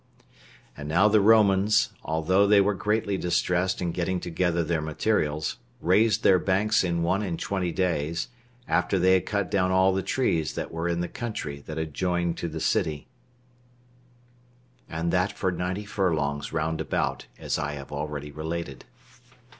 And now the Romans, although they were greatly distressed in getting together their materials, raised their banks in one and twenty days, after they had cut down all the trees that were in the country that adjoined to the city, and that for ninety furlongs round about, as I have already related.